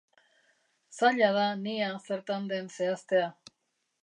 Zaila da nia zertan den zehaztea.